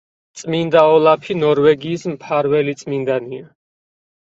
წმინდა ოლაფი ნორვეგიის მფარველი წმინდანია.